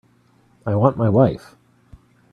I want my wife.